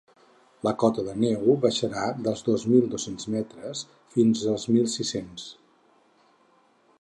La cota de neu baixarà dels dos mil dos-cents metres fins als mil sis-cents.